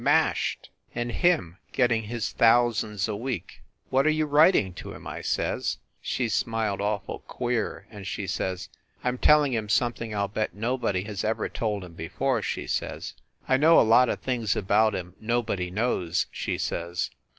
Mashed! And him getting his thousands a week! "What are you writing to him?" I says. She smiled awful queer, and she says, "I m tell ing him something I ll bet nobody has ever told him before," she says. "I know a lot of things about him nobody knows," she says.